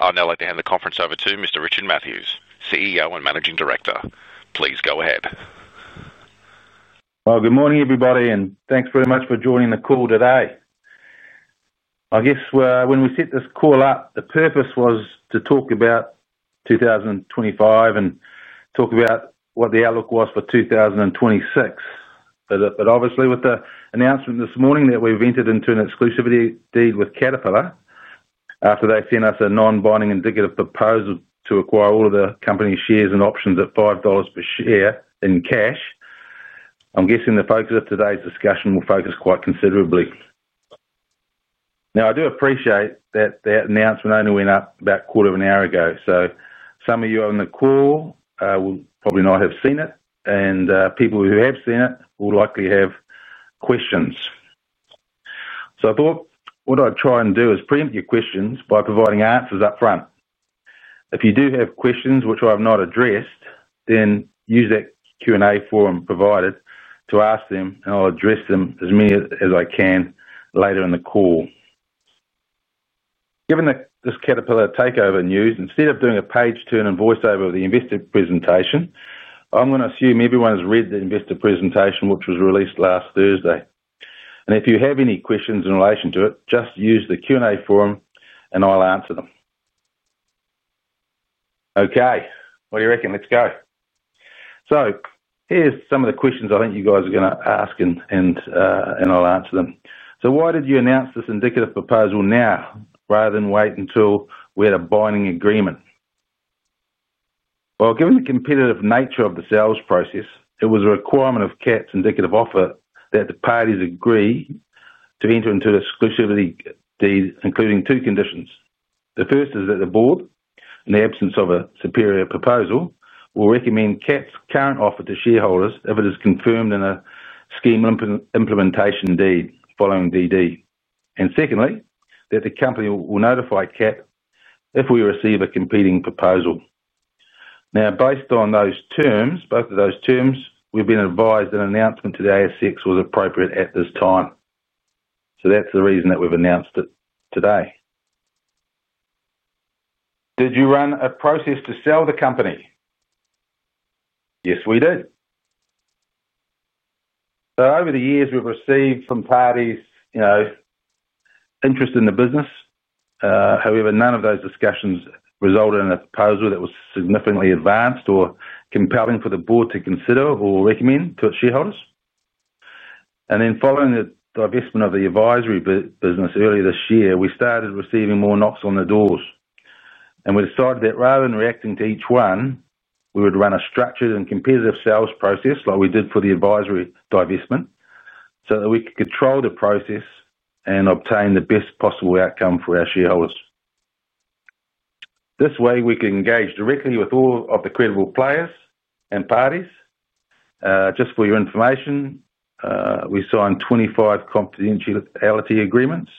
I'd now like to hand the conference over to Mr. Richard Mathews, CEO and Managing Director. Please go ahead. Good morning, everybody, and thanks very much for joining the call today. When we set this call up, the purpose was to talk about 2025 and talk about what the outlook was for 2026. Obviously, with the announcement this morning that we've entered into an exclusivity agreement with Caterpillar after they've sent us a non-binding indicative proposal to acquire all of the company shares and options at $5 per share in cash, I'm guessing the focus of today's discussion will focus quite considerably. I do appreciate that that announcement only went up about a quarter of an hour ago, so some of you on the call will probably not have seen it, and people who have seen it will likely have questions. I thought what I'd try and do is preempt your questions by providing answers upfront. If you do have questions which I've not addressed, then use that Q&A form provided to ask them, and I'll address as many as I can later in the call. Given this Caterpillar takeover news, instead of doing a page turn and voiceover of the investor presentation, I'm going to assume everyone's read the investor presentation, which was released last Thursday. If you have any questions in relation to it, just use the Q&A form and I'll answer them. What do you reckon? Let's go. Here's some of the questions I think you guys are going to ask, and I'll answer them. Why did you announce this indicative proposal now rather than wait until we had a binding agreement? Given the competitive nature of the sales process, it was a requirement of Cat's indicative offer that the parties agree to enter into an exclusivity deed, including two conditions. The first is that the board, in the absence of a superior proposal, will recommend Cat's current offer to shareholders if it is confirmed in a scheme implementation deed following due diligence. Secondly, the company will notify Cat if we receive a competing proposal. Based on those terms, both of those terms, we've been advised that an announcement to the ASX was appropriate at this time. That's the reason that we've announced it today. Did you run a process to sell the company? Yes, we did. Over the years, we've received from parties, you know, interest in the business. However, none of those discussions resulted in a proposal that was significantly advanced or compelling for the board to consider or recommend to its shareholders. Following the divestment of the advisory business earlier this year, we started receiving more knocks on the doors. We decided that rather than reacting to each one, we would run a structured and competitive sales process like we did for the advisory divestment so that we could control the process and obtain the best possible outcome for our shareholders. This way, we could engage directly with all of the credible players and parties. Just for your information, we signed 25 confidentiality agreements.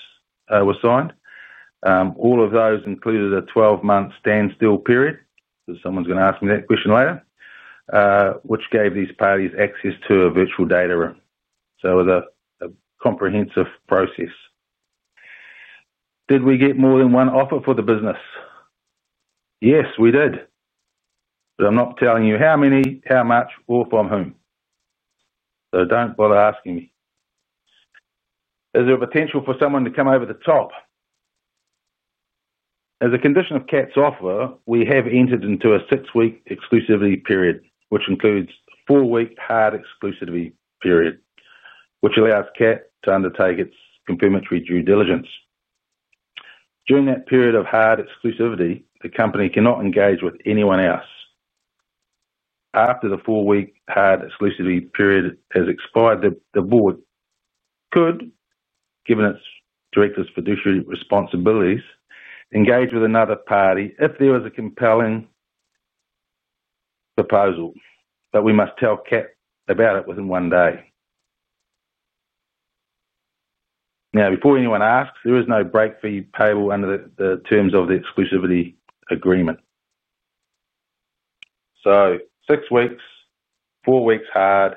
All of those included a 12-month standstill period, because someone's going to ask me that question later, which gave these parties access to a virtual data room, so it was a comprehensive process. Did we get more than one offer for the business? Yes, we did. I'm not telling you how many, how much, or from whom. Don't bother asking me. Is there a potential for someone to come over the top? As a condition of Cat's offer, we have entered into a six-week exclusivity period, which includes a four-week hard exclusivity period, which allows Cat to undertake its complimentary due diligence. During that period of hard exclusivity, the company cannot engage with anyone else. After the four-week hard exclusivity period has expired, the board could, given its directors' fiduciary responsibilities, engage with another party if there is a compelling proposal, but we must tell Cat about it within one day. Before anyone asks, there is no break fee payable under the terms of the exclusivity agreement. Six weeks, four weeks hard,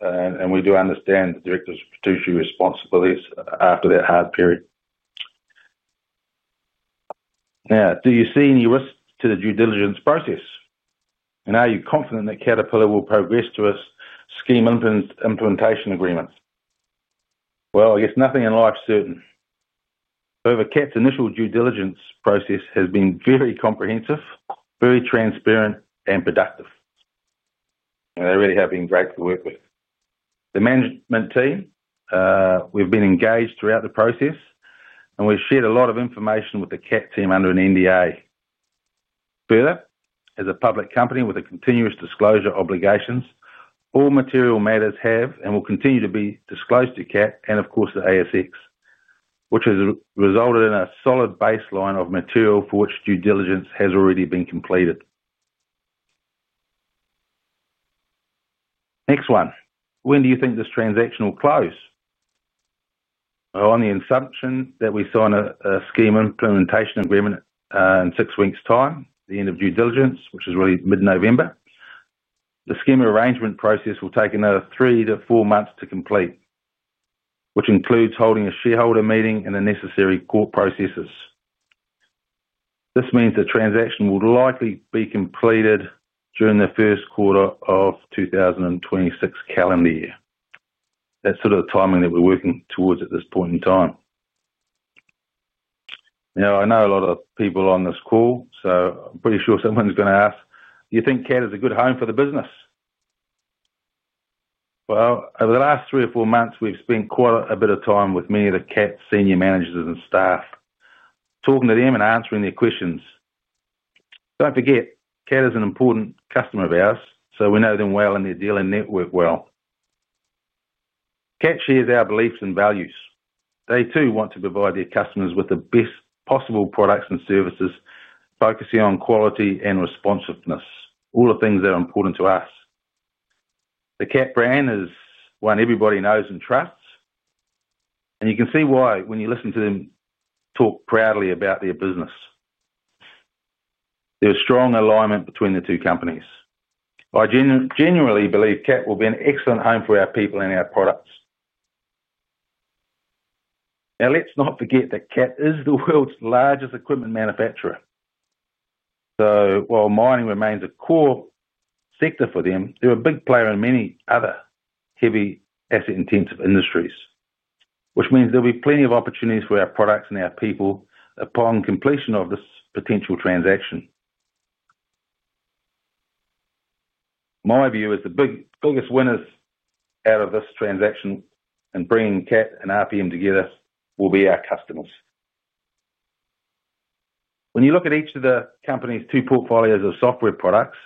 and we do understand the directors' fiduciary responsibilities after that hard period. "Do you see any risk to the due diligence process?" "Are you confident that Cat will progress to its scheme implementation agreements?" Well, nothing in life is certain. However, Cat's initial due diligence process has been very comprehensive, very transparent, and productive. They really have been great to work with. The management team, we've been engaged throughout the process, and we've shared a lot of information with the Cat team under an NDA. Further, as a public company with continuous disclosure obligations, all material matters have and will continue to be disclosed to Cat and, of course, the ASX, which has resulted in a solid baseline of material for which due diligence has already been completed. Next one. When do you think this transaction will close? On the assumption that we sign a scheme implementation agreement in six weeks' time, the end of due diligence, which is really mid-November, the scheme arrangement process will take another three to four months to complete, which includes holding a shareholder meeting and the necessary court processes. This means the transaction will likely be completed during the first quarter of the 2026 calendar year. That's sort of the timing that we're working towards at this point in time. I know a lot of people on this call, so I'm pretty sure someone's going to ask, "do you think Cat is a good home for the business?" Over the last three or four months, we've spent quite a bit of time with many of the Cat senior managers and staff, talking to them and answering their questions. Don't forget, care is an important customer of ours, so we know them well and their dealing network well. Cat shares our beliefs and values. They, too, want to provide their customers with the best possible products and services, focusing on quality and responsiveness, all the things that are important to us. The Cat brand is one everybody knows and trusts, and you can see why when you listen to them talk proudly about their business. There's strong alignment between the two companies. I genuinely believe Cat will be an excellent home for our people and our products. Let's not forget that Cat is the world's largest equipment manufacturer. While mining remains a core sector for them, they're a big player in many other heavy asset-intensive industries, which means there'll be plenty of opportunities for our products and our people upon completion of this potential transaction. My view is the biggest winners out of this transaction and bringing Cat and RPM together will be our customers. When you look at each of the company's two portfolios of software products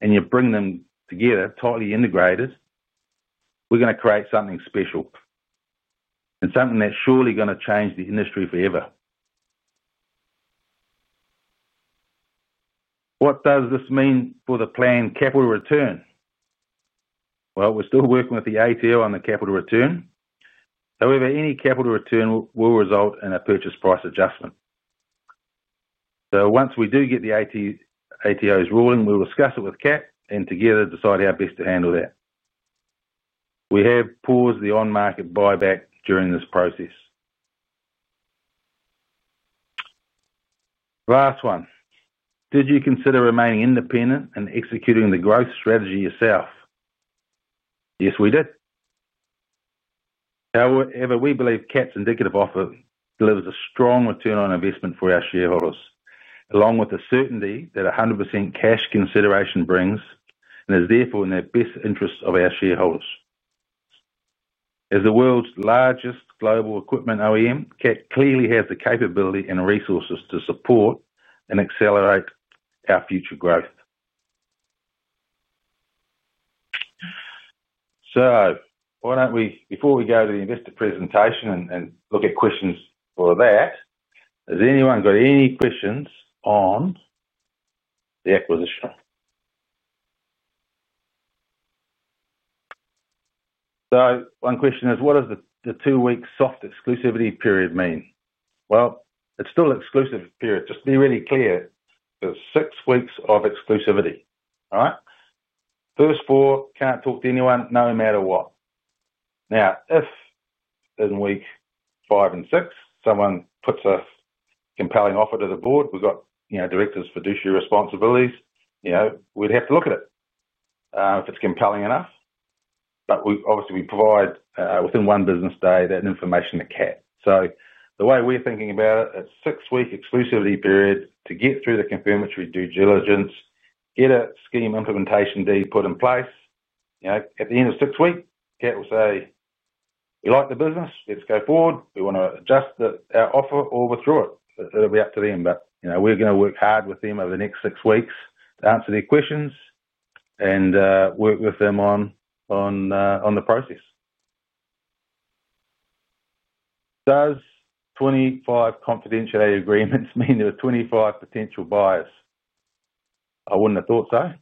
and you bring them together, tightly integrated, we're going to create something special and something that's surely going to change the industry forever. What does this mean for the planned capital return? We're still working with the ATO on the capital return. However, any capital return will result in a purchase price adjustment. Once we do get the ATO's ruling, we'll discuss it with Cat and together decide how best to handle that. We have paused the on-market buyback during this process. Last one. "Did you consider remaining independent and executing the growth strategy yourself?" Yes, we did. However, we believe Cat's indicative offer delivers a strong return on investment for our shareholders, along with the certainty that 100% cash consideration brings and is therefore in the best interests of our shareholders. As the world's largest global equipment OEM, Cat clearly has the capability and resources to support and accelerate our future growth. Before we go to the investor presentation and look at questions for that, has anyone got any questions on the acquisition? One question is, what does the two-week soft exclusivity period mean? It's still an exclusive period. Just to be really clear, there's six weeks of exclusivity, all right? First four, can't talk to anyone no matter what. Now, if in week five and six, someone puts a compelling offer to the board, we've got directors' fiduciary responsibilities, we'd have to look at it if it's compelling enough. We provide within one business day that information to Cat. The way we're thinking about it, it's a six-week exclusivity period to get through the confirmatory due diligence, get a scheme implementation deed put in place. At the end of six weeks, Cat will say, "We like the business. Let's go forward. We want to adjust our offer or withdraw it." It'll be up to them. We're going to work hard with them over the next six weeks to answer their questions and work with them on the process. Does 25 confidentiality agreements mean there are 25 potential buyers? I wouldn't have thought so.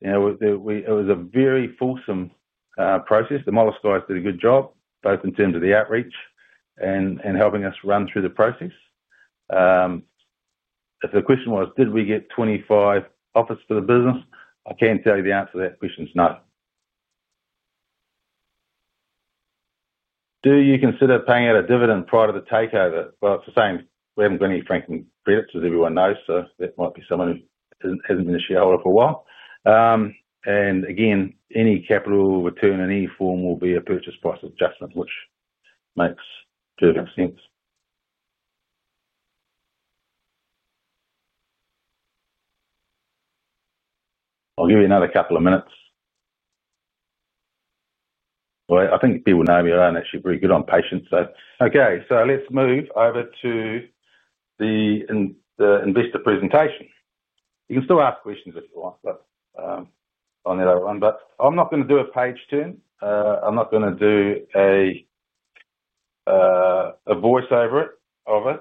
It was a very fulsome process. The Molesky did a good job, both in terms of the outreach and helping us run through the process. If the question was, did we get 25 offers for the business? I can't tell you the answer to that question. It's no. Do you consider paying out a dividend prior to the takeover? It's the same. We haven't got any frank credits, as everyone knows, so that might be someone who hasn't been a shareholder for a while. Again, any capital return in any form will be a purchase price adjustment, which makes perfect sense. I'll give you another couple of minutes. I think people know me. I'm actually pretty good on patience. Let's move over to the investor presentation. You can still ask questions if you want, on that other one. I'm not going to do a page turn. I'm not going to do a voiceover of it.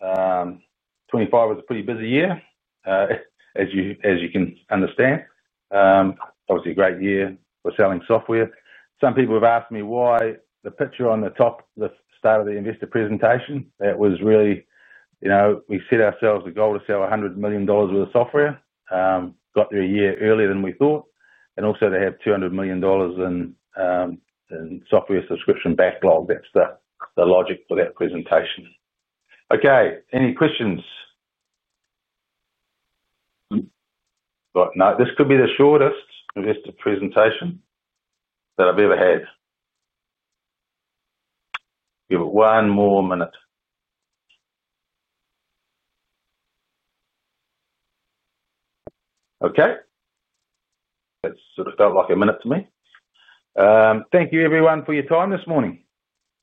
2025 was a pretty busy year, as you can understand. Obviously, a great year for selling software. Some people have asked me why the picture on the top, the start of the investor presentation, that was really, you know, we set ourselves the goal to sell $100 million worth of software. Got through a year earlier than we thought. Also, they had $200 million in software subscription backlog. That's the logic for that presentation. Okay. Any questions? Right. This could be the shortest investor presentation that I've ever had. Give it one more minute. Okay. That sort of felt like a minute to me. Thank you, everyone, for your time this morning.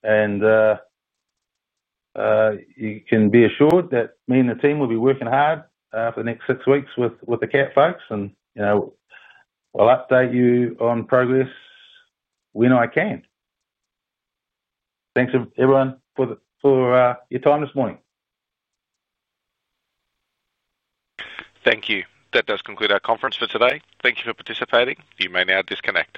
You can be assured that me and the team will be working hard for the next six weeks with the Cat folks. We'll update you on progress when I can. Thanks, everyone, for your time this morning. Thank you. That does conclude our conference for today. Thank you for participating. You may now disconnect.